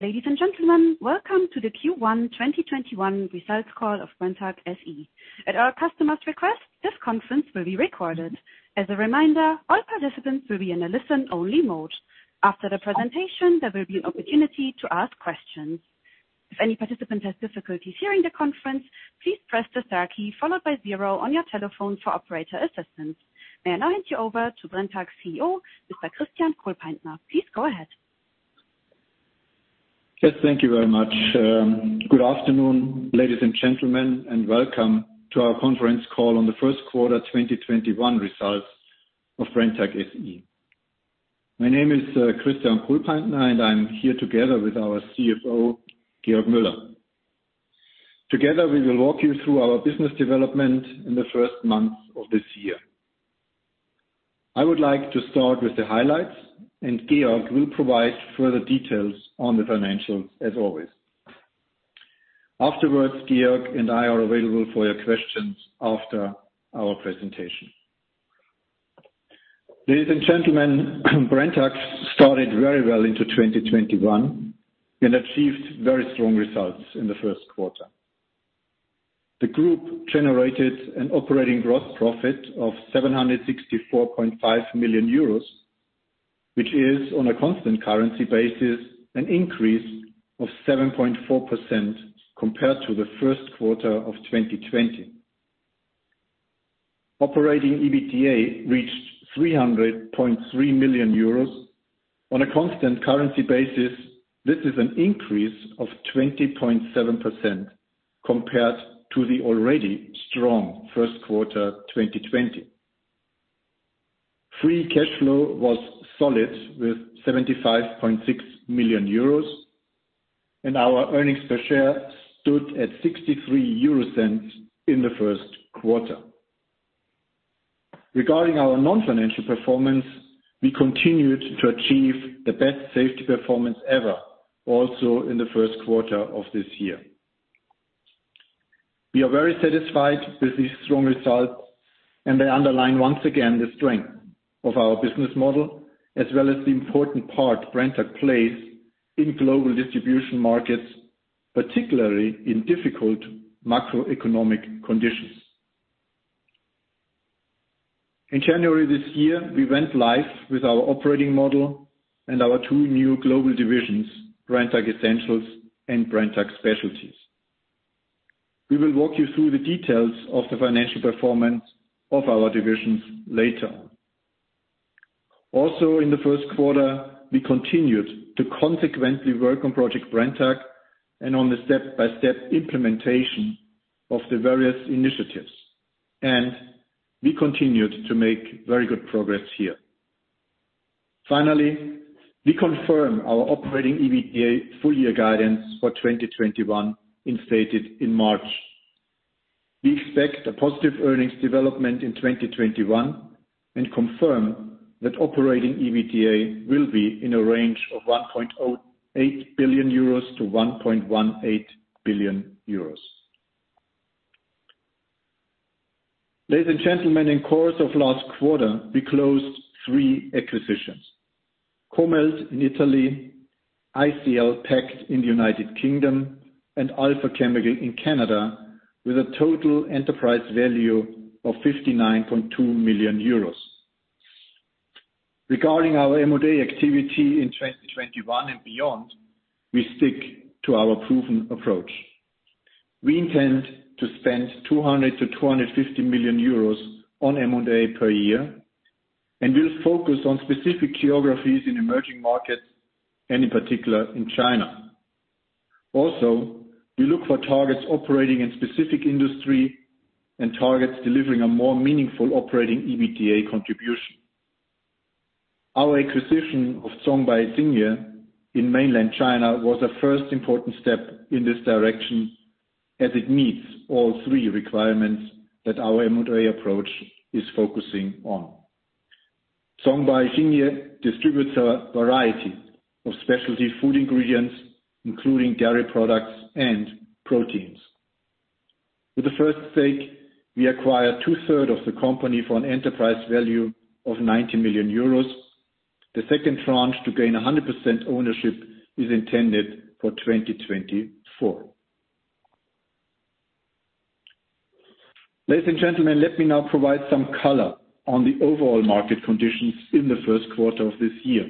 Ladies and gentlemen, welcome to the Q1 2021 Results Call of Brenntag SE. At our customers' request, this conference will be recorded. As a reminder, all participants will be in a listen-only mode. After the presentation, there will be an opportunity to ask questions. If any participants has difficulty sharing the conference, please press the star key followed by zero on your telephone for operator assistance. I now hand you over to Brenntag CEO, Mr. Christian Kohlpaintner. Please go ahead. Yes, thank you very much. Good afternoon, ladies and gentlemen, and welcome to our conference call on the First Quarter 2021 Results of Brenntag SE. My name is Christian Kohlpaintner, and I am here together with our CFO, Georg Müller. Together, we will walk you through our business development in the first months of this year. I would like to start with the highlights. Georg will provide further details on the financials as always. Afterwards, Georg and I are available for your questions after our presentation. Ladies and gentlemen, Brenntag started very well into 2021 and achieved very strong results in the first quarter. The group generated an operating gross profit of 764.5 million euros, which is, on a constant currency basis, an increase of 7.4% compared to the first quarter of 2020. Operating EBITDA reached 300.3 million euros. On a constant currency basis, this is an increase of 20.7% compared to the already strong first quarter 2020. Free cash flow was solid with 75.6 million euros, and our earnings per share stood at 0.63 in the first quarter. Regarding our non-financial performance, we continued to achieve the best safety performance ever, also in the first quarter of this year. We are very satisfied with these strong results. They underline once again the strength of our business model as well as the important part Brenntag plays in global distribution markets, particularly in difficult macroeconomic conditions. In January this year, we went live with our operating model and our two new global divisions, Brenntag Essentials and Brenntag Specialties. We will walk you through the details of the financial performance of our divisions later. Also in the first quarter, we continued to consequently work on Project Brenntag and on the step-by-step implementation of the various initiatives. We continued to make very good progress here. Finally, we confirm our operating EBITDA full-year guidance for 2021 as stated in March. We expect a positive earnings development in 2021 and confirm that operating EBITDA will be in a range of 1.08 billion-1.18 billion euros. Ladies and gentlemen, in course of last quarter, we closed three acquisitions. Comelt in Italy, ICL Packed in the United Kingdom, and Alpha Chemical in Canada with a total enterprise value of 59.2 million euros. Regarding our M&A activity in 2021 and beyond, we stick to our proven approach. We intend to spend 200 million-250 million euros on M&A per year and will focus on specific geographies in emerging markets, and in particular in China. Also, we look for targets operating in specific industry and targets delivering a more meaningful operating EBITDA contribution. Our acquisition of Zhongbai Xingye in mainland China was a first important step in this direction as it meets all three requirements that our M&A approach is focusing on. Zhongbai Xingye distributes a variety of specialty food ingredients, including dairy products and proteins. With the first stake, we acquired 2/3 of the company for an enterprise value of 90 million euros. The second tranche to gain 100% ownership is intended for 2024. Ladies and gentlemen, let me now provide some color on the overall market conditions in the first quarter of this year.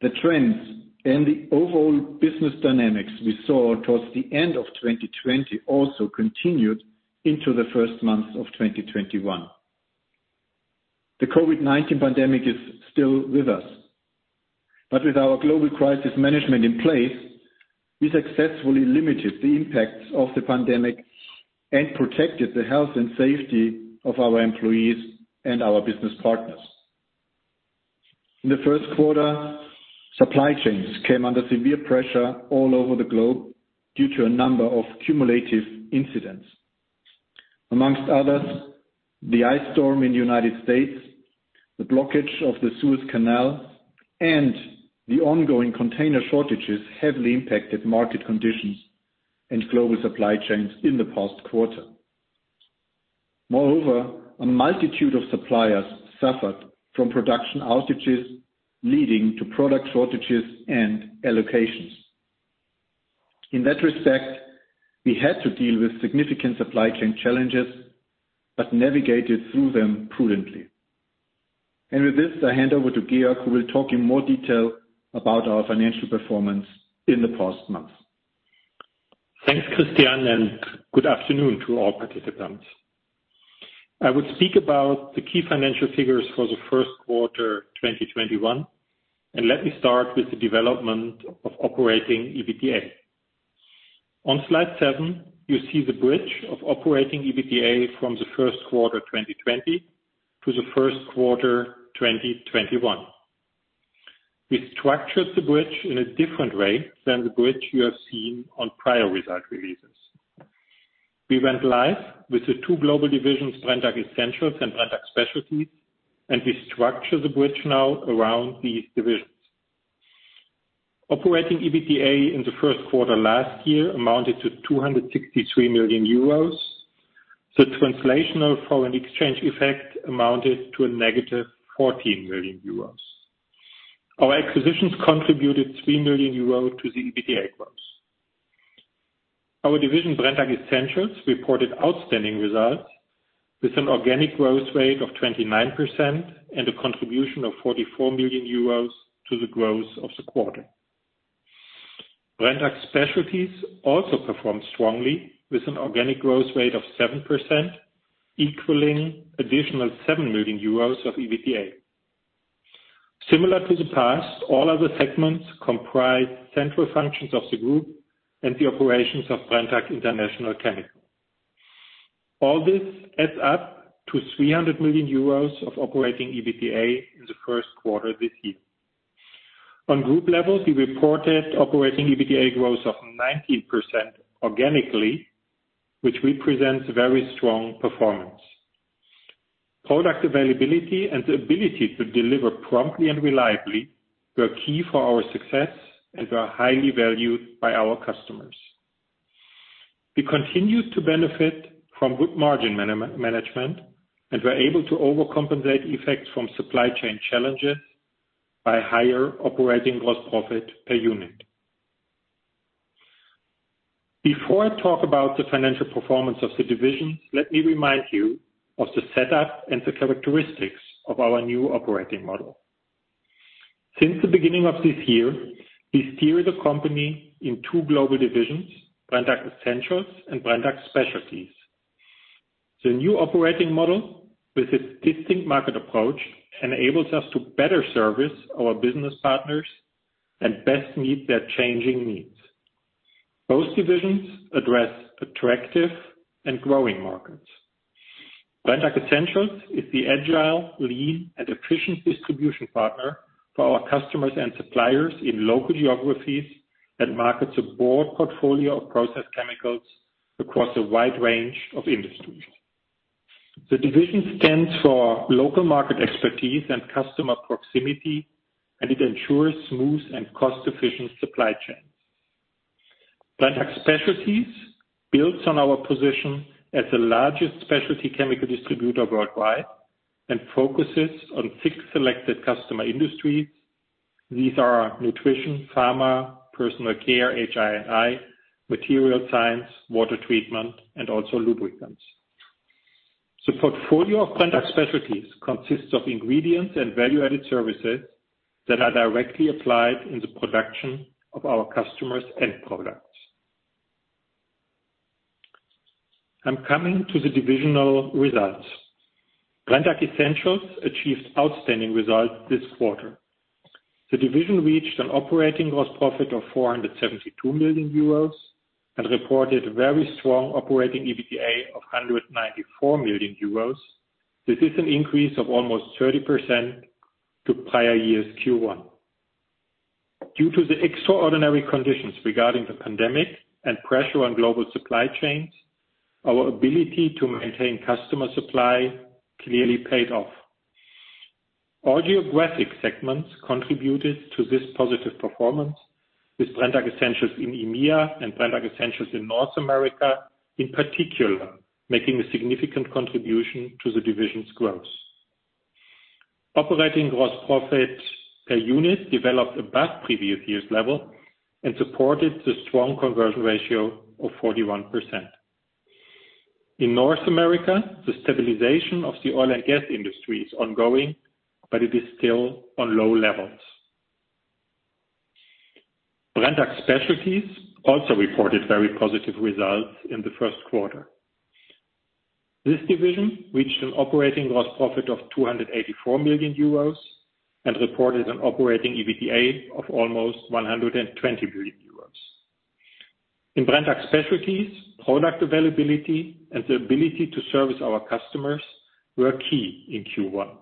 The trends and the overall business dynamics we saw towards the end of 2020 also continued into the first months of 2021. The COVID-19 pandemic is still with us. With our global crisis management in place, we successfully limited the impacts of the pandemic and protected the health and safety of our employees and our business partners. In the first quarter, supply chains came under severe pressure all over the globe due to a number of cumulative incidents. Amongst others, the ice storm in the United States, the blockage of the Suez Canal, and the ongoing container shortages heavily impacted market conditions and global supply chains in the past quarter. Moreover, a multitude of suppliers suffered from production outages, leading to product shortages and allocations. In that respect, we had to deal with significant supply chain challenges, but navigated through them prudently. With this, I hand over to Georg, who will talk in more detail about our financial performance in the past month. Thanks, Christian, and good afternoon to all participants. I will speak about the key financial figures for the first quarter 2021, and let me start with the development of operating EBITDA. On slide seven, you see the bridge of operating EBITDA from the first quarter 2020 to the first quarter 2021. We structured the bridge in a different way than the bridge you have seen on prior result releases. We went live with the two global divisions, Brenntag Essentials and Brenntag Specialties, and we structure the bridge now around these divisions. Operating EBITDA in the first quarter last year amounted to 263 million euros. The translational foreign exchange effect amounted to a -14 million euros. Our acquisitions contributed 3 million euros to the EBITDA growth. Our division, Brenntag Essentials, reported outstanding results with an organic growth rate of 29% and a contribution of 44 million euros to the growth of the quarter. Brenntag Specialties also performed strongly with an organic growth rate of 7%, equaling additional 7 million euros of EBITDA. Similar to the past, all other segments comprise central functions of the group and the operations of Brenntag International Chemicals. All this adds up to 300 million euros of operating EBITDA in the first quarter this year. On group levels, we reported operating EBITDA growth of 19% organically, which represents very strong performance. Product availability and the ability to deliver promptly and reliably were key for our success and were highly valued by our customers. We continued to benefit from good margin management and were able to overcompensate effects from supply chain challenges by higher operating gross profit per unit. Before I talk about the financial performance of the divisions, let me remind you of the setup and the characteristics of our new operating model. Since the beginning of this year, we steer the company in two global divisions, Brenntag Essentials and Brenntag Specialties. The new operating model with its distinct market approach enables us to better service our business partners and best meet their changing needs. Both divisions address attractive and growing markets. Brenntag Essentials is the agile, lean, and efficient distribution partner for our customers and suppliers in local geographies that market a broad portfolio of process chemicals across a wide range of industries. The division stands for local market expertise and customer proximity, and it ensures smooth and cost-efficient supply chains. Brenntag Specialties builds on our position as the largest specialty chemical distributor worldwide and focuses on six selected customer industries. These are nutrition, pharma, personal care, HI&I, material science, water treatment, and also lubricants. The portfolio of Brenntag Specialties consists of ingredients and value-added services that are directly applied in the production of our customers' end products. I'm coming to the divisional results. Brenntag Essentials achieved outstanding results this quarter. The division reached an operating gross profit of 472 million euros and reported very strong operating EBITDA of 194 million euros. This is an increase of almost 30% to prior year's Q1. Due to the extraordinary conditions regarding the pandemic and pressure on global supply chains, our ability to maintain customer supply clearly paid off. All geographic segments contributed to this positive performance with Brenntag Essentials in EMEA and Brenntag Essentials in North America in particular, making a significant contribution to the division's growth. Operating gross profit per unit developed above previous year's level and supported the strong conversion ratio of 41%. In North America, the stabilization of the oil and gas industry is ongoing, but it is still on low levels. Brenntag Specialties also reported very positive results in the first quarter. This division reached an operating gross profit of 284 million euros and reported an operating EBITDA of almost 120 million euros. In Brenntag Specialties, product availability and the ability to service our customers were key in Q1.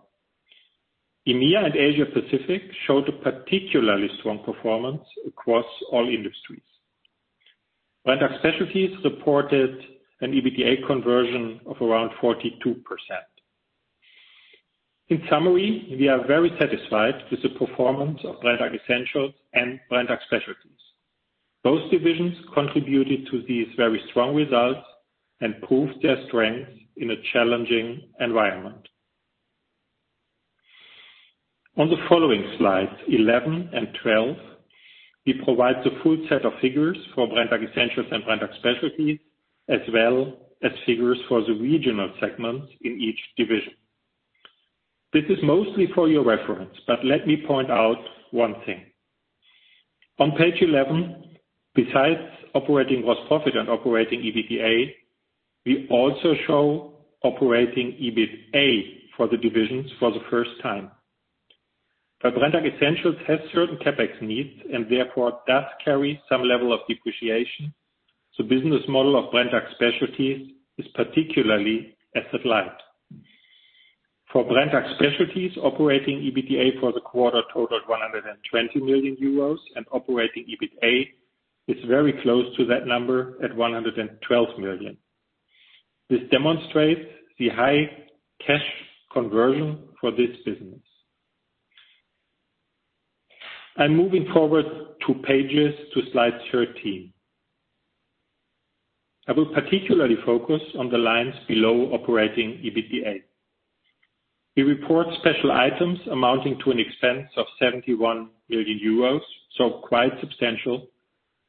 EMEA and Asia Pacific showed a particularly strong performance across all industries. Brenntag Specialties reported an EBITDA conversion of around 42%. In summary, we are very satisfied with the performance of Brenntag Essentials and Brenntag Specialties. Both divisions contributed to these very strong results and proved their strengths in a challenging environment. On the following slides, 11 and 12, we provide the full set of figures for Brenntag Essentials and Brenntag Specialties, as well as figures for the regional segments in each division. This is mostly for your reference, but let me point out one thing. On page 11, besides operating gross profit and operating EBITDA, we also show operating EBITA for the divisions for the first time. While Brenntag Essentials has certain CapEx needs and therefore does carry some level of depreciation, the business model of Brenntag Specialties is particularly asset light. For Brenntag Specialties, operating EBITDA for the quarter totaled 120 million euros and operating EBITA is very close to that number at 112 million. This demonstrates the high cash conversion for this business. I'm moving forward two pages to slide 13. I will particularly focus on the lines below operating EBITDA. We report special items amounting to an expense of 71 million euros, so quite substantial,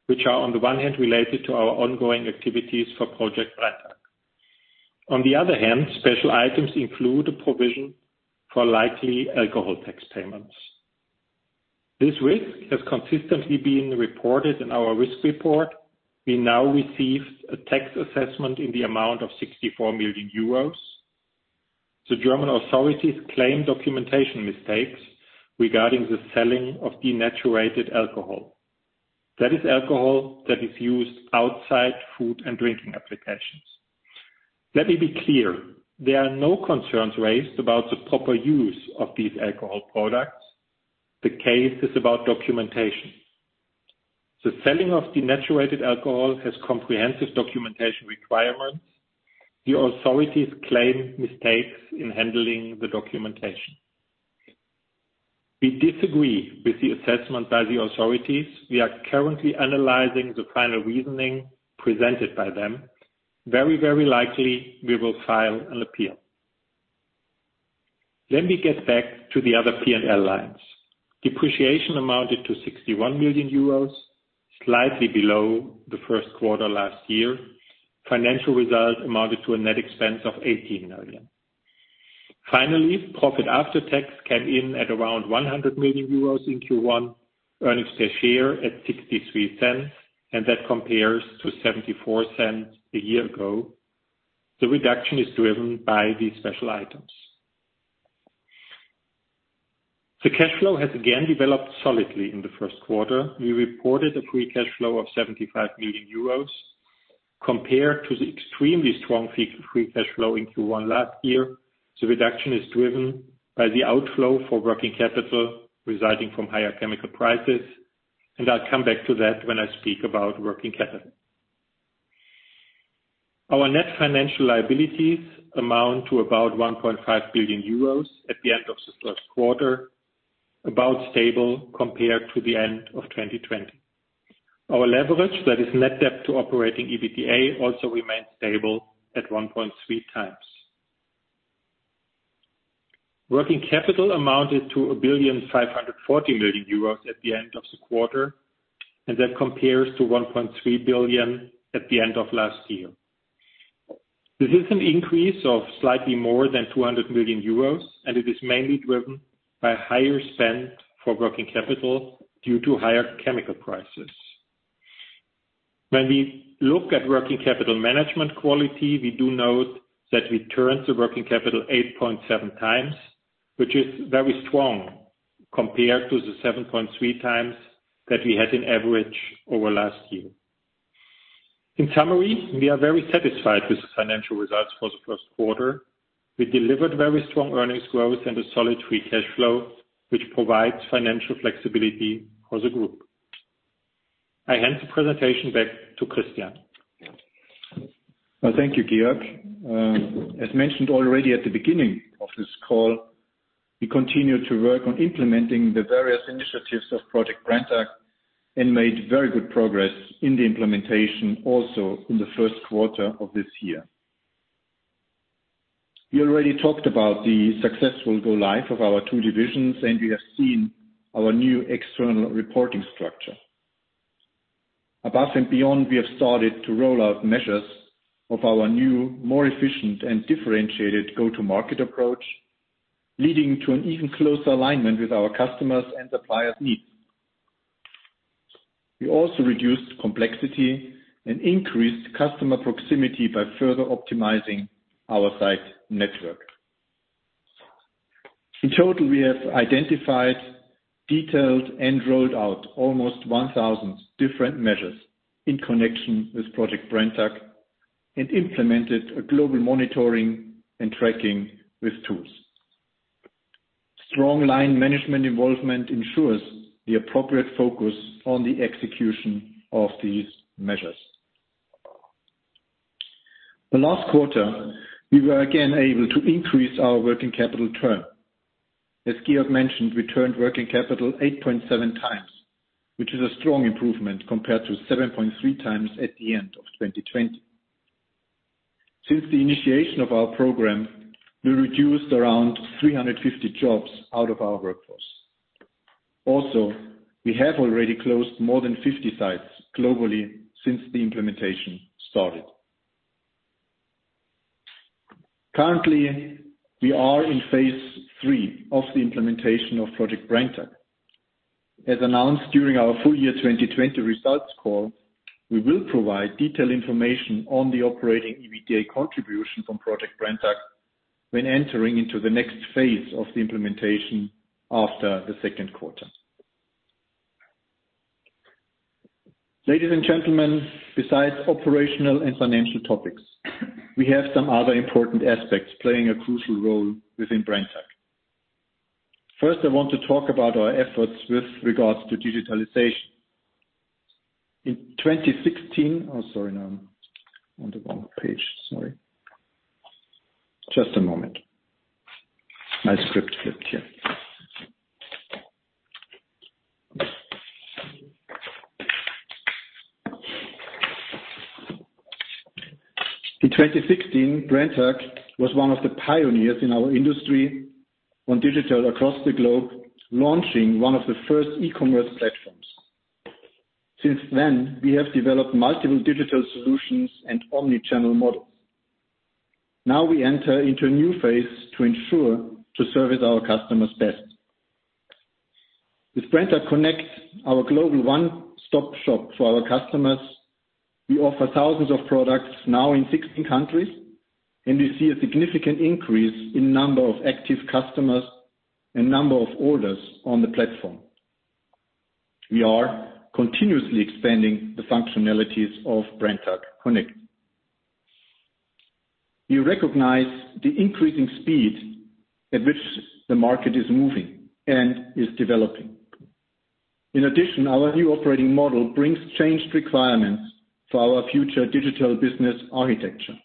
which are on the one hand related to our ongoing activities for Project Brenntag. On the other hand, special items include a provision for likely alcohol tax payments. This risk has consistently been reported in our risk report. We now received a tax assessment in the amount of 64 million euros. The German authorities claim documentation mistakes regarding the selling of denatured alcohol. That is alcohol that is used outside food and drinking applications. Let me be clear. There are no concerns raised about the proper use of these alcohol products. The case is about documentation. The selling of denatured alcohol has comprehensive documentation requirements. The authorities claim mistakes in handling the documentation. We disagree with the assessment by the authorities. We are currently analyzing the final reasoning presented by them. Very likely, we will file an appeal. Let me get back to the other P&L lines. Depreciation amounted to 61 million euros, slightly below the first quarter last year. Financial results amounted to a net expense of 18 million. Finally, profit after tax came in at around 100 million euros in Q1, earnings per share at 0.63, and that compares to 0.74 a year ago. The reduction is driven by these special items. The cash flow has again developed solidly in the first quarter. We reported a free cash flow of 75 million euros compared to the extremely strong free cash flow in Q1 last year. The reduction is driven by the outflow for working capital resulting from higher chemical prices, and I'll come back to that when I speak about working capital. Our net financial liabilities amount to about 1.5 billion euros at the end of the first quarter, about stable compared to the end of 2020. Our leverage, that is net debt to operating EBITDA, also remains stable at 1.3x. Working capital amounted to 1.540 billion at the end of the quarter, and that compares to 1.3 billion at the end of last year. This is an increase of slightly more than 200 million euros, and it is mainly driven by higher spend for working capital due to higher chemical prices. When we look at working capital management quality, we do note that we turned the working capital 8.7x, which is very strong compared to the 7.3x that we had in average over last year. In summary, we are very satisfied with the financial results for the first quarter. We delivered very strong earnings growth and a solid free cash flow, which provides financial flexibility for the group. I hand the presentation back to Christian. Well, thank you, Georg. As mentioned already at the beginning of this call, we continue to work on implementing the various initiatives of Project Brenntag and made very good progress in the implementation also in the first quarter of this year. We already talked about the successful go live of our two divisions, and we have seen our new external reporting structure. Above and beyond, we have started to roll out measures of our new, more efficient, and differentiated go-to-market approach, leading to an even closer alignment with our customers' and suppliers' needs. We also reduced complexity and increased customer proximity by further optimizing our site network. In total, we have identified, detailed, and rolled out almost 1,000 different measures in connection with Project Brenntag and implemented a global monitoring and tracking with tools. Strong line management involvement ensures the appropriate focus on the execution of these measures. The last quarter, we were again able to increase our working capital turn. As Georg Müller mentioned, we turned working capital 8.7x, which is a strong improvement compared to 7.3x at the end of 2020. Since the initiation of our program, we reduced around 350 jobs out of our workforce. We have already closed more than 50 sites globally since the implementation started. Currently, we are in phase three of the implementation of Project Brenntag. As announced during our full year 2020 results call, we will provide detailed information on the operating EBITDA contribution from Project Brenntag when entering into the next phase of the implementation after the second quarter. Ladies and gentlemen, besides operational and financial topics, we have some other important aspects playing a crucial role within Brenntag. First, I want to talk about our efforts with regards to digitalization. Sorry, now I'm on the wrong page. Sorry. Just a moment. My script flipped. Here. In 2016, Brenntag was one of the pioneers in our industry on digital across the globe, launching one of the first e-commerce platforms. Since then, we have developed multiple digital solutions and omni-channel models. We enter into a new phase to ensure to service our customers best. With Brenntag Connect, our global one-stop shop for our customers, we offer thousands of products now in 16 countries, and we see a significant increase in number of active customers and number of orders on the platform. We are continuously expanding the functionalities of Brenntag Connect. We recognize the increasing speed at which the market is moving and is developing. In addition, our new operating model brings changed requirements for our future digital business architecture.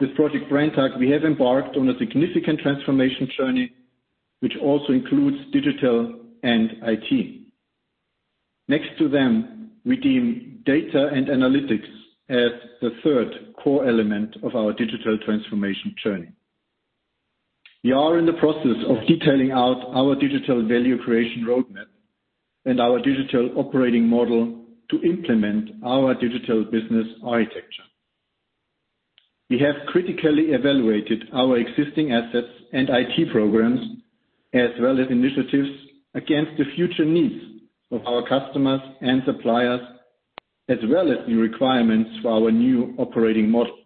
With Project Brenntag, we have embarked on a significant transformation journey, which also includes digital and IT. Next to them, we deem data and analytics as the third core element of our digital transformation journey. We are in the process of detailing out our digital value creation roadmap and our digital operating model to implement our digital business architecture. We have critically evaluated our existing assets and IT programs as well as initiatives against the future needs of our customers and suppliers, as well as new requirements for our new operating model.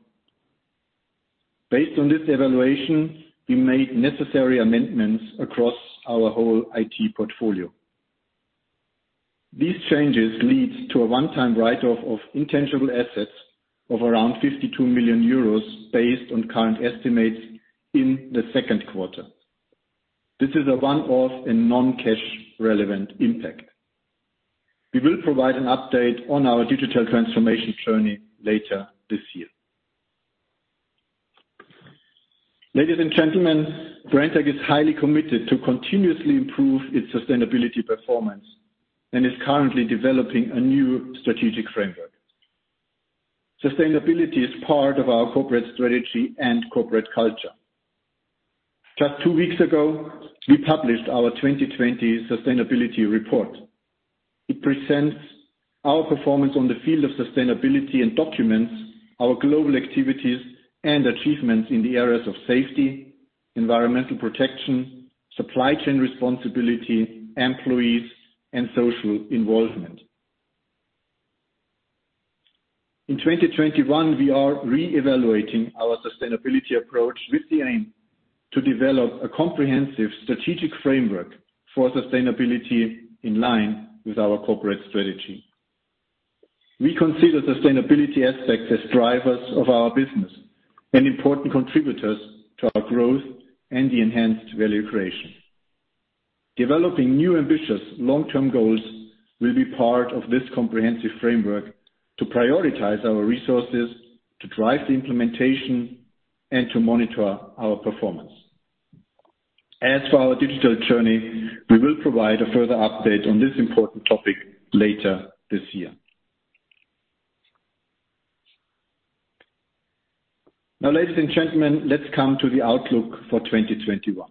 Based on this evaluation, we made necessary amendments across our whole IT portfolio. These changes lead to a one-time write-off of intangible assets of around 52 million euros based on current estimates in the second quarter. This is a one-off and non-cash relevant impact. We will provide an update on our digital transformation journey later this year. Ladies and gentlemen, Brenntag is highly committed to continuously improve its sustainability performance and is currently developing a new strategic framework. Sustainability is part of our corporate strategy and corporate culture. Just two weeks ago, we published our 2020 sustainability report. It presents our performance on the field of sustainability and documents our global activities and achievements in the areas of safety, environmental protection, supply chain responsibility, employees, and social involvement. In 2021, we are reevaluating our sustainability approach with the aim to develop a comprehensive strategic framework for sustainability in line with our corporate strategy. We consider sustainability aspects as drivers of our business and important contributors to our growth and the enhanced value creation. Developing new, ambitious long-term goals will be part of this comprehensive framework to prioritize our resources, to drive the implementation, and to monitor our performance. As for our digital journey, we will provide a further update on this important topic later this year. Now, ladies and gentlemen, let's come to the outlook for 2021.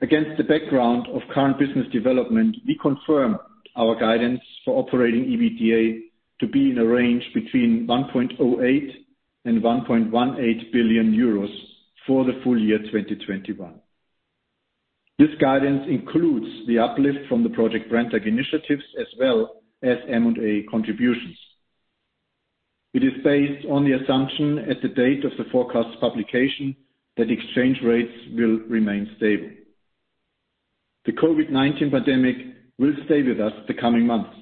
Against the background of current business development, we confirm our guidance for operating EBITDA to be in a range between 1.08 billion and 1.18 billion euros for the full year 2021. This guidance includes the uplift from the Project Brenntag initiatives as well as M&A contributions. It is based on the assumption at the date of the forecast publication that exchange rates will remain stable. The COVID-19 pandemic will stay with us the coming months.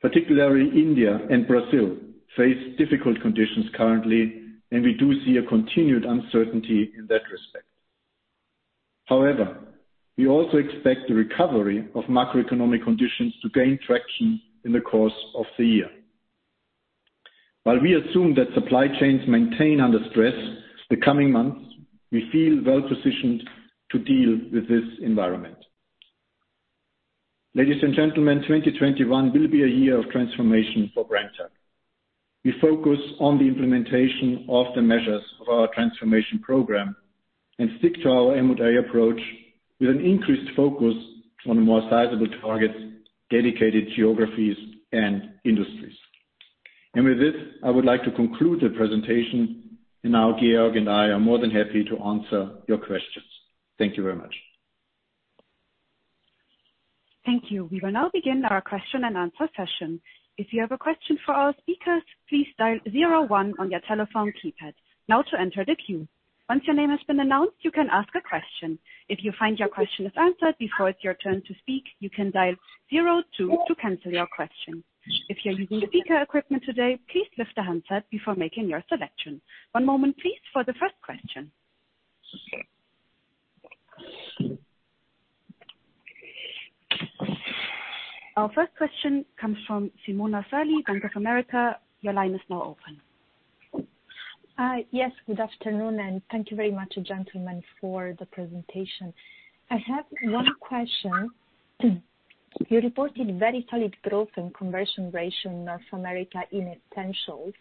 Particularly India and Brazil face difficult conditions currently, and we do see a continued uncertainty in that respect. However, we also expect the recovery of macroeconomic conditions to gain traction in the course of the year. While we assume that supply chains maintain under stress the coming months, we feel well-positioned to deal with this environment. Ladies and gentlemen, 2021 will be a year of transformation for Brenntag. We focus on the implementation of the measures of our transformation program and stick to our M&A approach with an increased focus on the more sizable targets, dedicated geographies, and industries. With this, I would like to conclude the presentation. Now Georg and I are more than happy to answer your questions. Thank you very much. Thank you. We will now begin our question and answer session. If you have a question for our speakers, please dial zero one on your telephone keypad. Now to enter the queue, once your name has been announced you can ask a question. If you find your question is answered before it’s your turn to speak, you can dial zero two to cancel your question. If you’re using the speaker equipment today, please lift the handset before making your selection. One moment please for the first question. Our first question comes from Simona Sarli, Bank of America. Your line is now open. Hi. Yes, good afternoon. Thank you very much, gentlemen, for the presentation. I have one question. You reported very solid growth and conversion ratio in North America in essentials.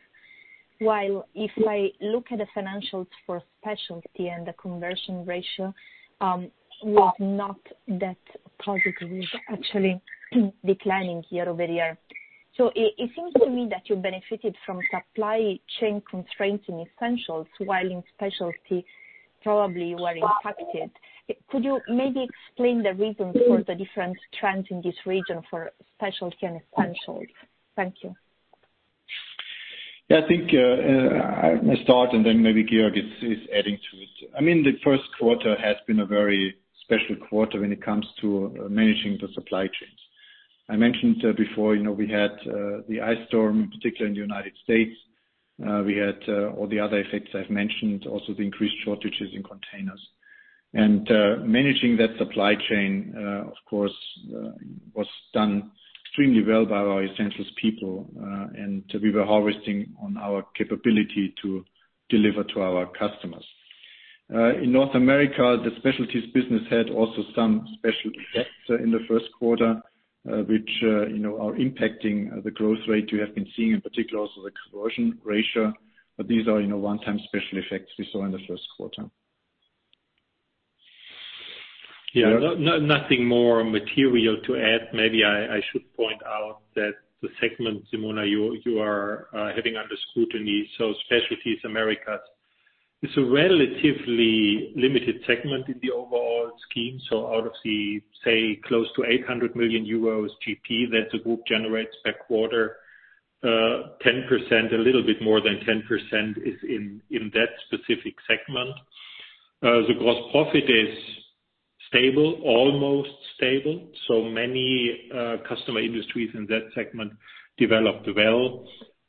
While if I look at the financials for specialty and the conversion ratio, was not that positive, it is actually declining year-over-year. It seems to me that you benefited from supply chain constraints in Essentials while in Specialty you probably were impacted. Could you maybe explain the reason for the different trends in this region for Specialty and Essentials? Thank you. I think I start and then maybe Georg is adding to it. The first quarter has been a very special quarter when it comes to managing the supply chains. I mentioned before, we had the ice storm, particularly in the United States. We had all the other effects I've mentioned, also the increased shortages in containers. Managing that supply chain, of course, was done extremely well by our essentials people, and we were harvesting on our capability to deliver to our customers. In North America, the specialties business had also some special effects in the first quarter, which are impacting the growth rate you have been seeing, in particular also the conversion ratio. These are one-time special effects we saw in the first quarter. Nothing more material to add. Maybe I should point out that the segment, Simona, you are having under scrutiny, so Specialties Americas, it's a relatively limited segment in the overall scheme. Out of the, say, close to 800 million euros GP that the group generates per quarter, a little bit more than 10% is in that specific segment. The gross profit is stable, almost stable. Many customer industries in that segment developed well.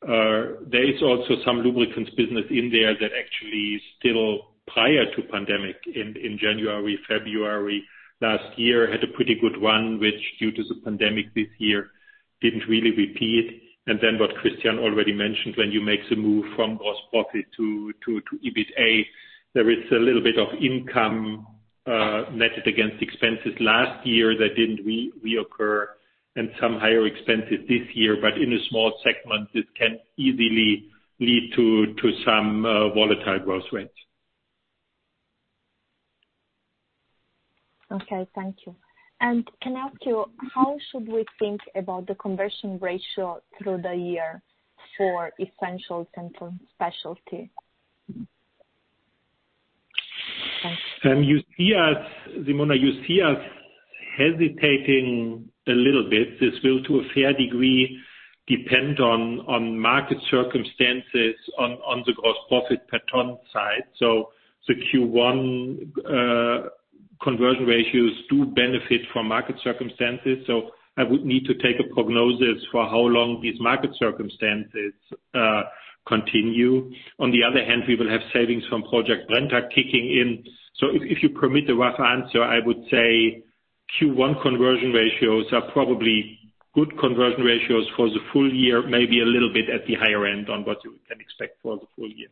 There is also some lubricants business in there that actually is still prior to pandemic in January, February last year, had a pretty good run, which due to the pandemic this year, didn't really repeat. What Christian already mentioned, when you make the move from gross profit to EBITA, there is a little bit of income netted against expenses last year that didn't reoccur and some higher expenses this year. In a small segment, this can easily lead to some volatile growth rates. Okay, thank you. Can I ask you, how should we think about the conversion ratio through the year for Essentials and for Specialties? Thank you. Simona, you see us hesitating a little bit. This will, to a fair degree, depend on market circumstances on the gross profit per ton side. The Q1 conversion ratios do benefit from market circumstances, so I would need to take a prognosis for how long these market circumstances continue. On the other hand, we will have savings from Project Brenntag kicking in. If you permit a rough answer, I would say Q1 conversion ratios are probably good conversion ratios for the full year, maybe a little bit at the higher end on what you can expect for the full year.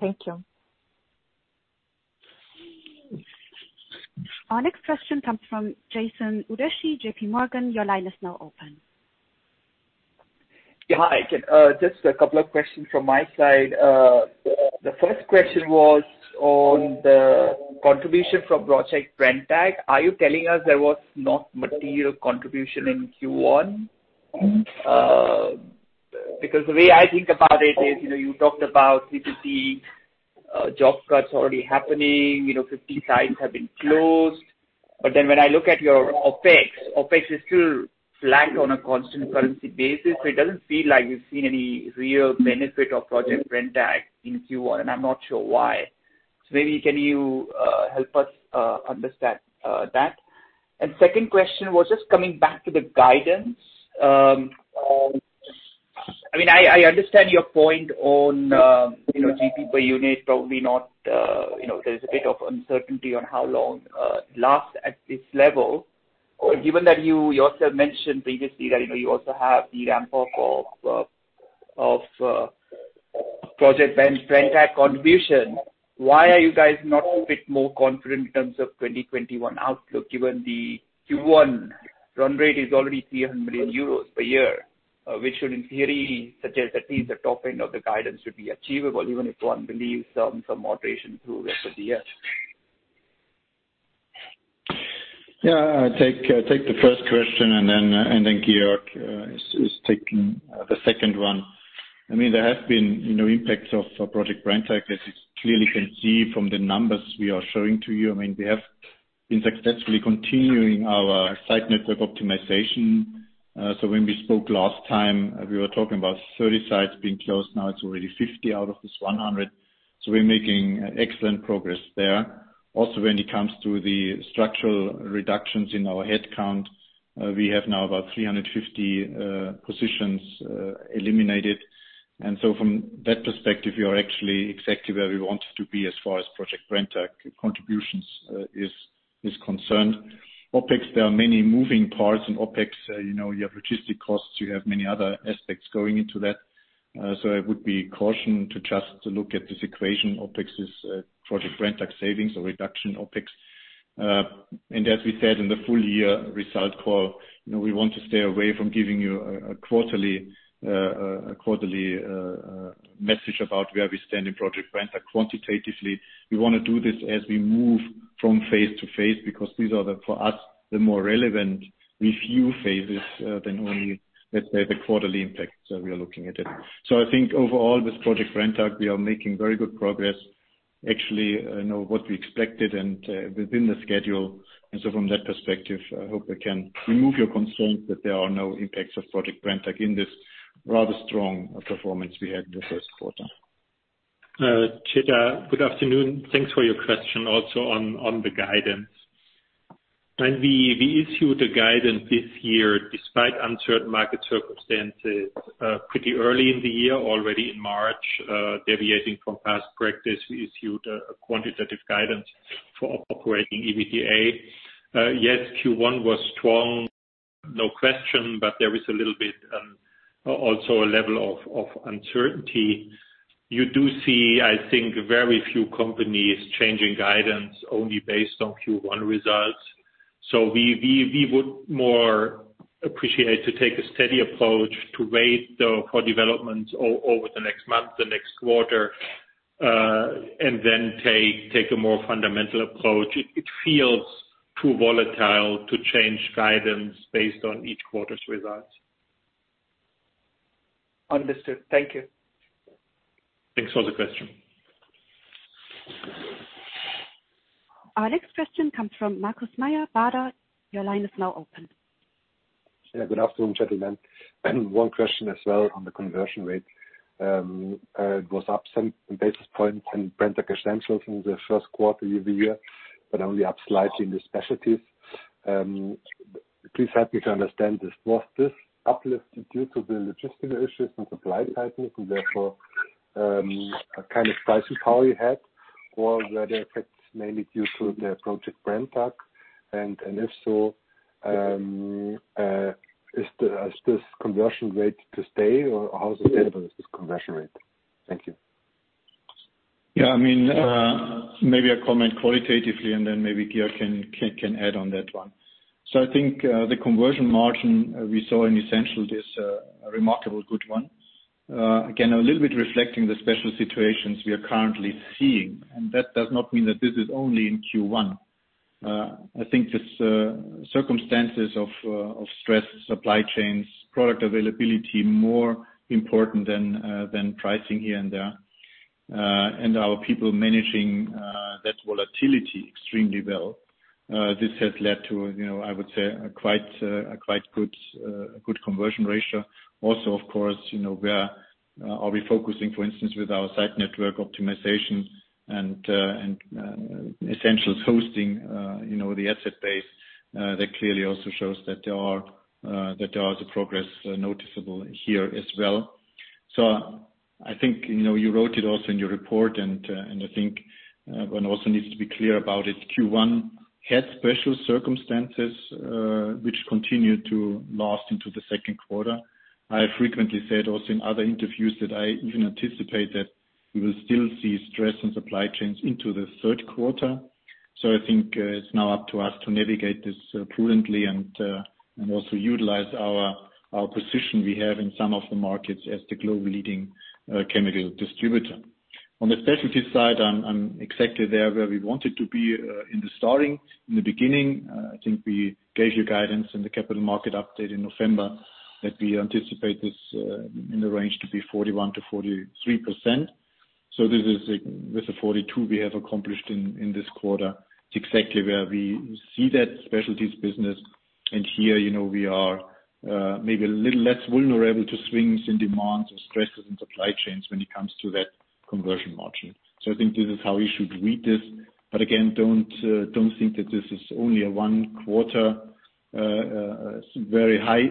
Thank you. Our next question comes from Chetan Udeshi, JPMorgan. Your line is now open. Hi. Just a couple of questions from my side. The first question was on the contribution from Project Brenntag. Are you telling us there was not material contribution in Q1? The way I think about it is, you talked about B2C job cuts already happening, 50 sites have been closed. When I look at your OpEx is still flat on a constant currency basis. It doesn't feel like we've seen any real benefit of Project Brenntag in Q1, and I'm not sure why. Maybe can you help us understand that? Second question was just coming back to the guidance. I understand your point on GP per unit, probably there's a bit of uncertainty on how long it lasts at this level. Given that you yourself mentioned previously that you also have the ramp-up of Project Brenntag contribution, why are you guys not a bit more confident in terms of 2021 outlook, given the Q1 run rate is already 300 million euros per year, which should, in theory, suggest at least the top end of the guidance should be achievable, even if one believes some moderation through rest of the year? I take the first question, Georg is taking the second one. There has been impacts of Project Brenntag, as you clearly can see from the numbers we are showing to you. We have been successfully continuing our site network optimization. When we spoke last time, we were talking about 30 sites being closed. Now it's already 50 out of this 100. We're making excellent progress there. Also, when it comes to the structural reductions in our headcount, we have now about 350 positions eliminated. From that perspective, we are actually exactly where we wanted to be as far as Project Brenntag contributions is concerned. OpEx, there are many moving parts in OpEx. You have logistic costs, you have many other aspects going into that. I would be cautioned to just look at this equation, OpEx is Project Brenntag savings or reduction OpEx. As we said in the full year result call, we want to stay away from giving you a quarterly message about where we stand in Project Brenntag quantitatively. We want to do this as we move from phase to phase, because these are, for us, the more relevant review phases than only, let's say, the quarterly impact we are looking at it. I think overall with Project Brenntag, we are making very good progress, actually what we expected and within the schedule. From that perspective, I hope I can remove your concerns that there are no impacts of Project Brenntag in this rather strong performance we had in the first quarter. Chetan, good afternoon. Thanks for your question also on the guidance. When we issued the guidance this year, despite uncertain market circumstances, pretty early in the year, already in March, deviating from past practice, we issued a quantitative guidance for operating EBITDA. Yes, Q1 was strong, no question, but there is a little bit also a level of uncertainty. You do see, I think, very few companies changing guidance only based on Q1 results. We would more appreciate to take a steady approach to wait, though, for developments over the next month, the next quarter, and then take a more fundamental approach. It feels too volatile to change guidance based on each quarter's results. Understood. Thank you. Thanks for the question. Our next question comes from Markus Mayer, Baader. Your line is now open. Good afternoon, gentlemen. One question as well on the conversion rate. It was up seven basis points in Brenntag Essentials from the first quarter year-over-year, but only up slightly in the Specialties. Please help me to understand this. Was this uplift due to the logistical issues and supply tightness and therefore, a kind of pricing power you had? Were there effects mainly due to the Project Brenntag? If so, is this conversion rate to stay, or how sustainable is this conversion rate? Thank you. Yeah, maybe I comment qualitatively, and then maybe Georg can add on that one. I think, the conversion margin we saw in Essentials is a remarkable good one. A little bit reflecting the special situations we are currently seeing, and that does not mean that this is only in Q1. I think this circumstances of stressed supply chains, product availability, more important than pricing here and there. Our people managing that volatility extremely well. This has led to, I would say, a quite good conversion ratio. Of course, where are we focusing, for instance, with our site network optimization and Essentials hosting the asset base. That clearly also shows that there are the progress noticeable here as well. I think, you wrote it also in your report, and I think one also needs to be clear about it. Q1 had special circumstances, which continue to last into the second quarter. I frequently said also in other interviews that I even anticipate that we will still see stress in supply chains into the third quarter. I think it's now up to us to navigate this prudently and also utilize our position we have in some of the markets as the global leading chemical distributor. On the Specialty side, I'm exactly there where we wanted to be in the beginning. I think we gave you guidance in the capital market update in November that we anticipate this in the range to be 41%-43%. This is with the 42% we have accomplished in this quarter. It's exactly where we see that Specialties business. Here, we are maybe a little less vulnerable to swings in demands or stresses in supply chains when it comes to that conversion margin. I think this is how we should read this. Again, don't think that this is only a one quarter. A very high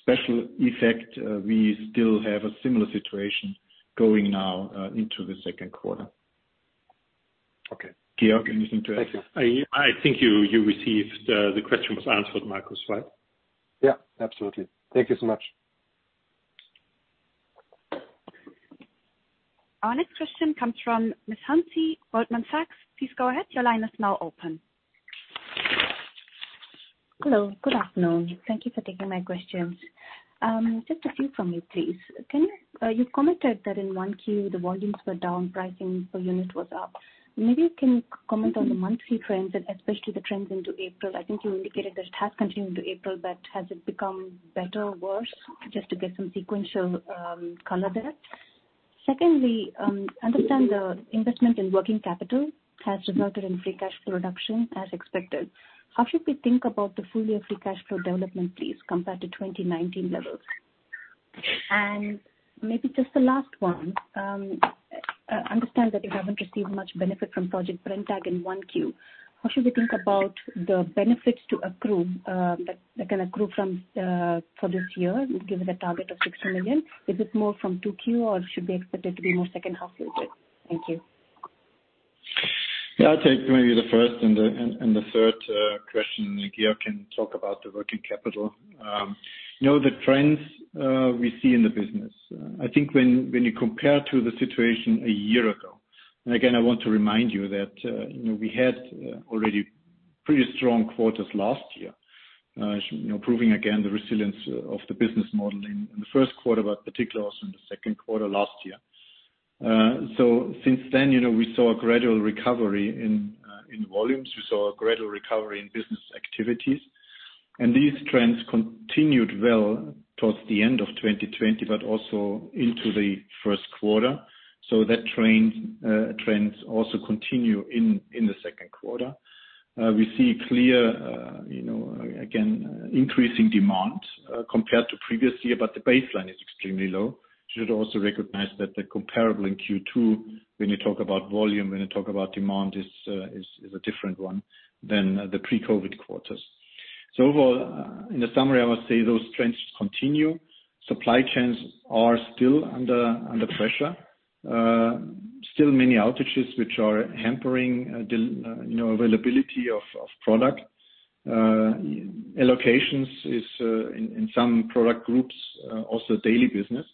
special effect. We still have a similar situation going now into the second quarter. Okay. Georg, anything to add? I think the question was answered, Markus, right? Yeah, absolutely. Thank you so much. Our next question comes from Suhasini Varanasi, Goldman Sachs. Please go ahead. Your line is now open. Hello. Good afternoon. Thank you for taking my questions. Just a few from me, please. You commented that in 1Q, the volumes were down, pricing per unit was up. Maybe you can comment on the monthly trends and especially the trends into April. I think you indicated that it has continued into April, but has it become better or worse? Just to get some sequential color there. Secondly, understand the investment in working capital has resulted in free cash flow reduction as expected. How should we think about the full year free cash flow development, please, compared to 2019 levels? Maybe just the last one. I understand that you haven't received much benefit from Project Brenntag in 1Q. How should we think about the benefits to accrue, that can accrue for this year, given the target of 60 million? Is it more from 2Q or should we expect it to be more second half-loaded? Thank you. I'll take maybe the first and the third question. Georg can talk about the working capital. The trends we see in the business, I think when you compare to the situation a year ago, and again, I want to remind you that we had already pretty strong quarters last year, proving again the resilience of the business model in the first quarter, but particularly also in the second quarter last year. Since then, we saw a gradual recovery in volumes. We saw a gradual recovery in business activities. These trends continued well towards the end of 2020, but also into the first quarter. Trends also continue in the second quarter. We see clear, again, increasing demand compared to previous year. The baseline is extremely low. Should also recognize that the comparable in Q2 when you talk about volume, when you talk about demand, is a different one than the pre-COVID quarters. Overall, in the summary, I would say those trends continue. Supply chains are still under pressure. Still many outages which are hampering availability of product. Allocations is, in some product groups, also daily business,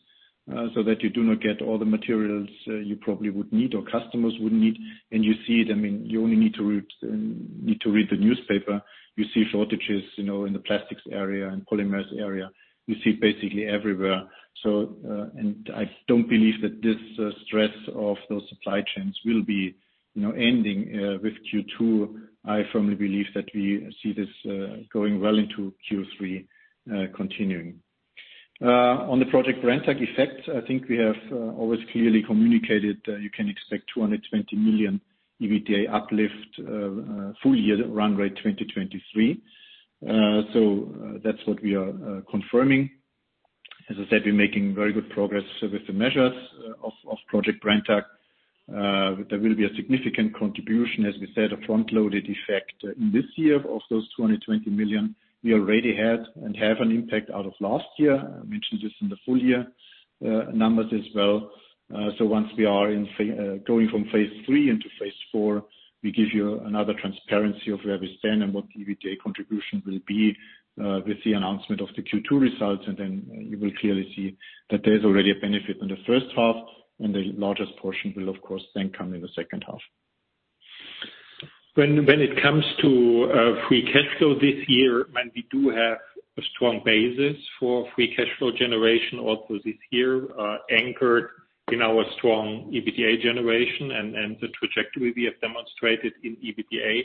so that you do not get all the materials you probably would need or customers would need. You see it, you only need to read the newspaper. You see shortages in the plastics area and polymers area. You see it basically everywhere. I don't believe that this stress of those supply chains will be ending with Q2. I firmly believe that we see this going well into Q3, continuing. On the Project Brenntag effect, I think we have always clearly communicated, you can expect 220 million EBITDA uplift full year run rate 2023. That's what we are confirming. As I said, we're making very good progress with the measures of Project Brenntag. There will be a significant contribution, as we said, a front-loaded effect in this year of those 220 million we already had and have an impact out of last year. I mentioned this in the full year numbers as well. Once we are going from phase three into phase four, we give you another transparency of where we stand and what EBITDA contribution will be with the announcement of the Q2 results, and then you will clearly see that there's already a benefit in the first half and the largest portion will, of course, then come in the second half. When it comes to free cash flow this year, we do have a strong basis for free cash flow generation also this year, anchored in our strong EBITDA generation and the trajectory we have demonstrated in EBITDA.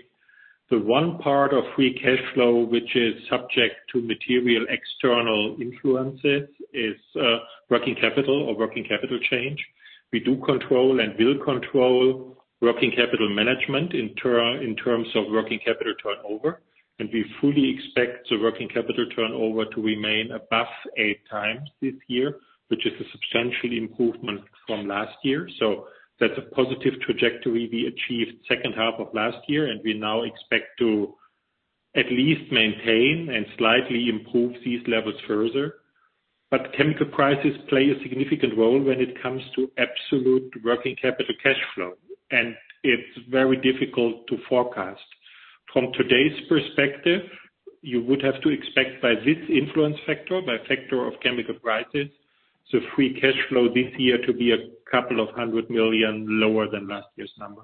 The one part of free cash flow, which is subject to material external influences, is working capital or working capital change. We do control and will control working capital management in terms of working capital turnover, and we fully expect the working capital turnover to remain above 8x this year, which is a substantial improvement from last year. That's a positive trajectory we achieved second half of last year, and we now expect to at least maintain and slightly improve these levels further. Chemical prices play a significant role when it comes to absolute working capital cash flow, and it's very difficult to forecast. From today's perspective, you would have to expect by this influence factor, by factor of chemical prices, so free cash flow this year to be a couple of hundred million lower than last year's number.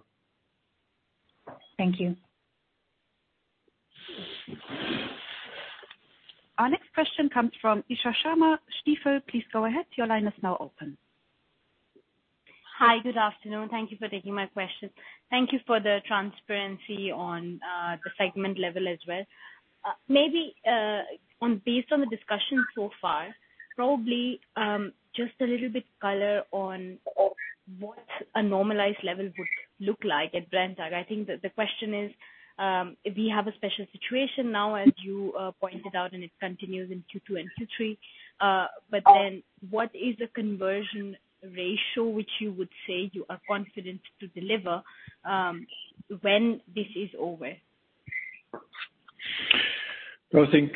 Thank you. Our next question comes from Isha Sharma, Stifel. Please go ahead. Your line is now open. Hi. Good afternoon. Thank you for taking my question. Thank you for the transparency on the segment level as well. Maybe based on the discussion so far, probably just a little bit color on what a normalized level would look like at Brenntag. I think that the question is, we have a special situation now, as you pointed out, and it continues in Q2 and Q3. What is the conversion ratio which you would say you are confident to deliver when this is over? I think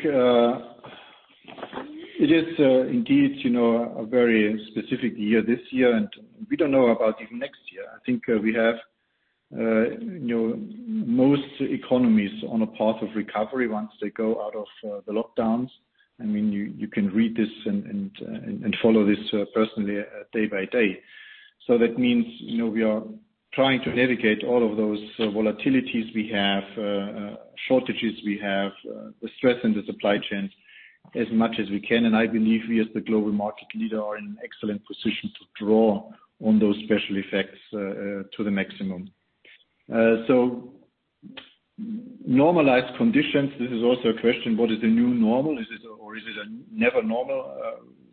it is indeed a very specific year this year, and we don't know about even next year. I think we have most economies on a path of recovery once they go out of the lockdowns. You can read this and follow this personally day by day. That means we are trying to navigate all of those volatilities we have, shortages we have, the stress in the supply chains as much as we can. I believe we, as the global market leader, are in excellent position to draw on those special effects to the maximum. Normalized conditions, this is also a question, what is the new normal? Or is it a never normal?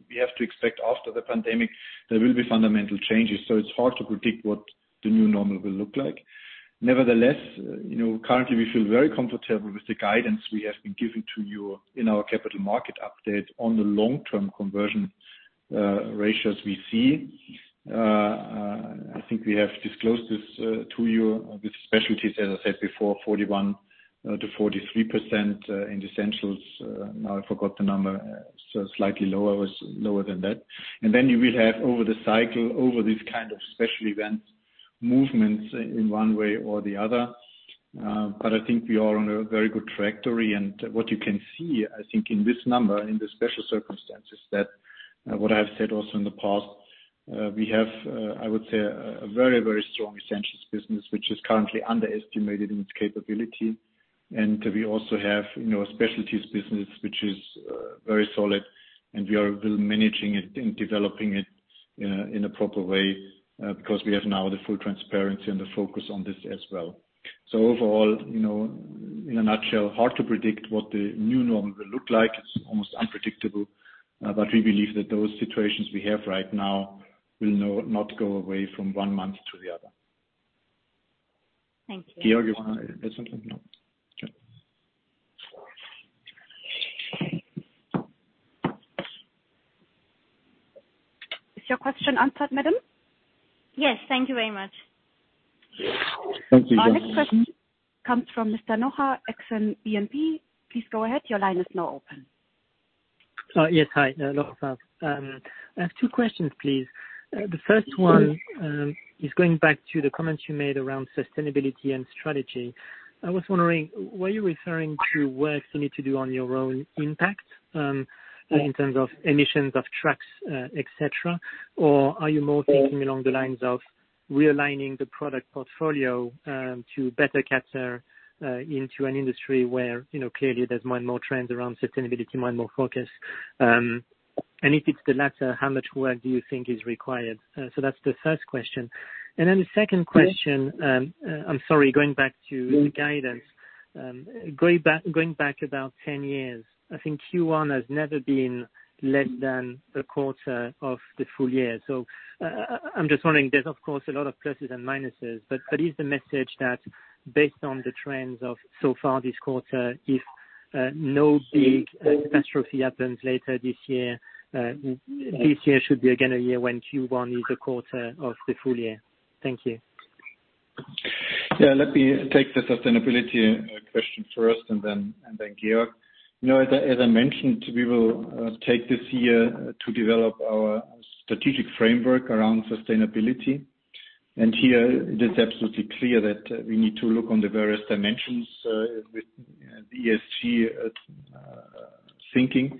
We have to expect after the pandemic, there will be fundamental changes, so it's hard to predict what the new normal will look like. Nevertheless, currently we feel very comfortable with the guidance we have been giving to you in our capital market update on the long-term conversion ratios we see. I think we have disclosed this to you with Specialties, as I said before, 41%-43% in the Essentials. I forgot the number, slightly lower than that. You will have over the cycle, over these kind of special events, movements in one way or the other. I think we are on a very good trajectory. What you can see, I think in this number, in the special circumstances, that what I've said also in the past, we have, I would say, a very strong Essentials business, which is currently underestimated in its capability. We also have Specialties business, which is very solid, and we are managing it and developing it in a proper way, because we have now the full transparency and the focus on this as well. Overall, in a nutshell, hard to predict what the new normal will look like. It's almost unpredictable. We believe that those situations we have right now will not go away from one month to the other. Thank you. Georg, you want to add something? No. Okay. Is your question answered, madam? Yes. Thank you very much. Thank you. Our next question comes from Mr. Noah Colón BNP. Please go ahead. Your line is now open. Yes. Hi. I have two questions, please. The first one is going back to the comments you made around sustainability and strategy. I was wondering, were you referring to work you need to do on your own impact, in terms of emissions of trucks, et cetera? Or are you more thinking along the lines of realigning the product portfolio to better capture into an industry where clearly there's more trends around sustainability, more focus? If it's the latter, how much work do you think is required? That's the first question. The second question, I'm sorry, going back to the guidance. Going back about 10 years, I think Q1 has never been less than a quarter of the full year. I'm just wondering, there's of course, a lot of pluses and minuses, but is the message that based on the trends of so far this quarter, if no big catastrophe happens later this year, this year should be again a year when Q1 is a quarter of the full year? Thank you. Let me take the sustainability question first and then Georg. As I mentioned, we will take this year to develop our strategic framework around sustainability. Here it is absolutely clear that we need to look on the various dimensions, with ESG thinking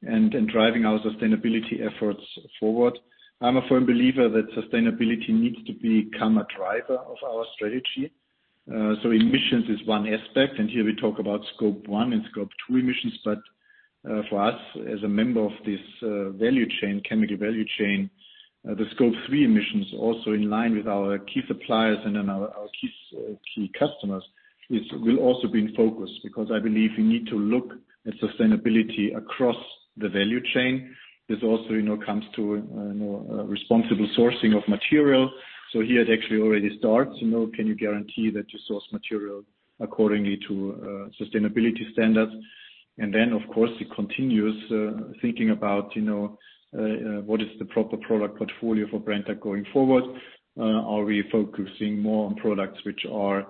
and driving our sustainability efforts forward. I'm a firm believer that sustainability needs to become a driver of our strategy. Emissions is one aspect, and here we talk about Scope 1 and Scope 2 emissions. For us, as a member of this chemical value chain, the Scope 3 emissions also in line with our key suppliers and then our key customers will also be in focus, because I believe we need to look at sustainability across the value chain. This also comes to responsible sourcing of material. Here it actually already starts. Can you guarantee that you source material accordingly to sustainability standards? Of course it continues, thinking about what is the proper product portfolio for Brenntag going forward? Are we focusing more on products which are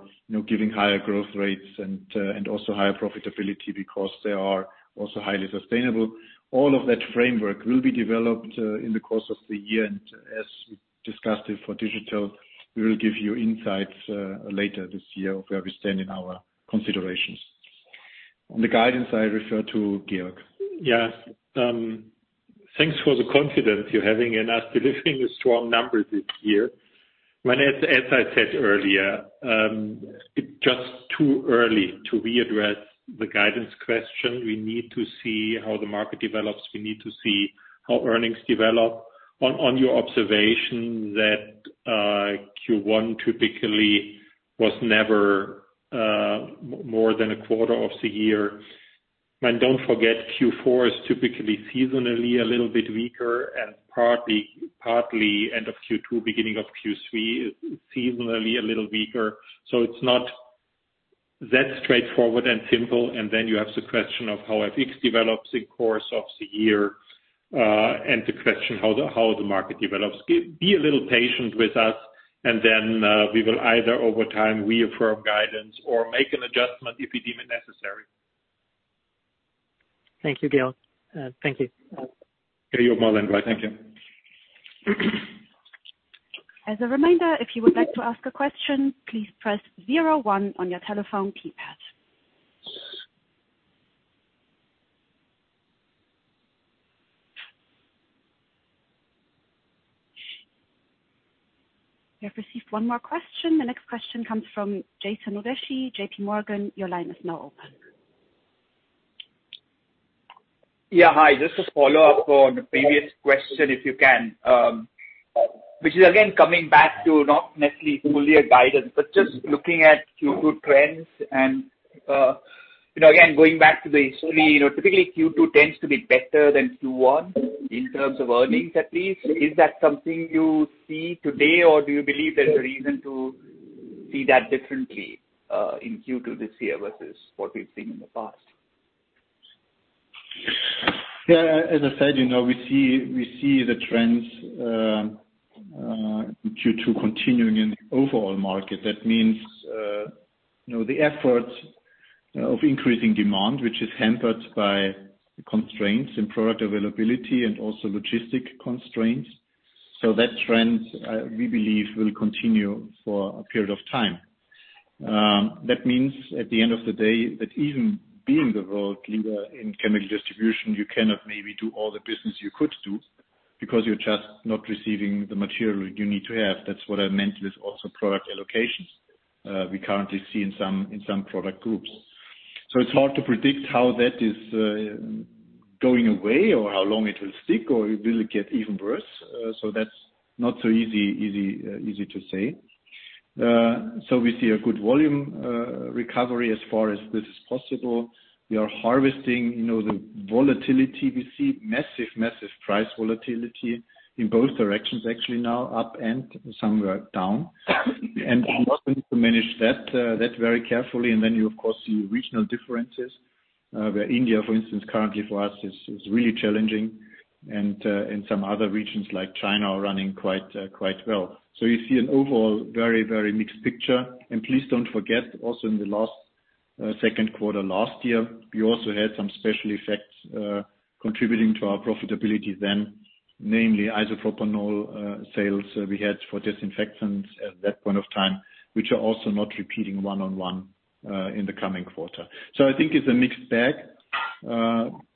giving higher growth rates and also higher profitability because they are also highly sustainable? All of that framework will be developed in the course of the year, and as we discussed it for digital, we will give you insights later this year of where we stand in our considerations. On the guidance I refer to Georg. Thanks for the confidence you're having in us delivering a strong number this year. As I said earlier, it's just too early to readdress the guidance question. We need to see how the market develops. We need to see how earnings develop. On your observation that Q1 typically was never more than a quarter of the year. Don't forget, Q4 is typically seasonally a little bit weaker and partly end of Q2, beginning of Q3 is seasonally a little weaker. It's not that straightforward and simple. You have the question of how FX develops in course of the year. To question how the market develops. Be a little patient with us, and then we will either over time reaffirm guidance or make an adjustment if we deem it necessary. Thank you, Georg. Thank you. Thank you. More than welcome. Thank you. As a reminder, if you would like to ask a question, please press zero one on your telephone keypad. We have received one more question. The next question comes from Chetan Udeshi, JPMorgan, your line is now open. Hi. Just a follow-up on the previous question, if you can, which is again coming back to not necessarily fully a guidance, but just looking at Q2 trends and again, going back to the history, typically Q2 tends to be better than Q1 in terms of earnings at least. Is that something you see today, or do you believe there's a reason to see that differently in Q2 this year versus what we've seen in the past? As I said, we see the trends, Q2 continuing in the overall market. That means the efforts of increasing demand, which is hampered by constraints in product availability and also logistic constraints. That trend, we believe, will continue for a period of time. That means at the end of the day that even being the world leader in chemical distribution, you cannot maybe do all the business you could do because you're just not receiving the material you need to have. That's what I meant is also product allocations we currently see in some product groups. It's hard to predict how that is going away or how long it will stick, or it will get even worse. That's not so easy to say. We see a good volume recovery as far as this is possible. We are harvesting the volatility. We see massive price volatility in both directions actually now up and some were down. We are going to manage that very carefully. Then you of course see regional differences, where India, for instance, currently for us is really challenging and some other regions like China are running quite well. You see an overall very mixed picture. Please don't forget also in the last second quarter last year, we also had some special effects contributing to our profitability then, namely isopropanol sales we had for disinfectants at that point of time, which are also not repeating one-on-one in the coming quarter. I think it's a mixed bag.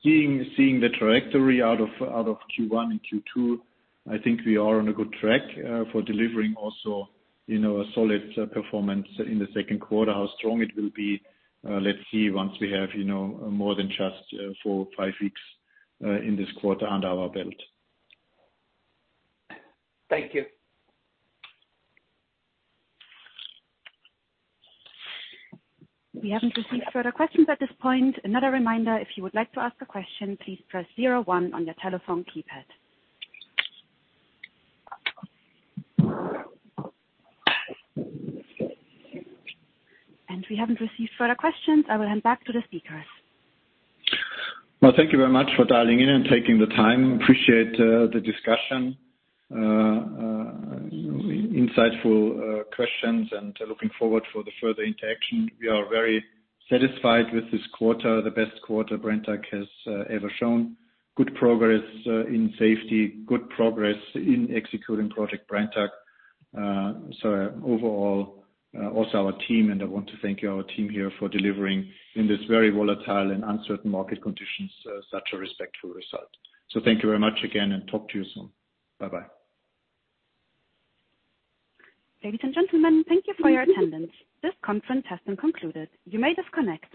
Seeing the trajectory out of Q1 and Q2, I think we are on a good track for delivering also a solid performance in the second quarter. How strong it will be, let's see once we have more than just four or five weeks in this quarter under our belt. Thank you. We haven't received further questions at this point. Another reminder, if you would like to ask a question, please press zero one on your telephone keypad. We haven't received further questions. I will hand back to the speakers. Well, thank you very much for dialing in and taking the time. Appreciate the discussion, insightful questions and looking forward for the further interaction. We are very satisfied with this quarter, the best quarter Brenntag has ever shown. Good progress in safety, good progress in executing Project Brenntag. Overall, also our team, and I want to thank our team here for delivering in this very volatile and uncertain market conditions such a respectful result. Thank you very much again, and talk to you soon. Bye-bye. Ladies and gentlemen, thank you for your attendance. This conference has been concluded. You may disconnect.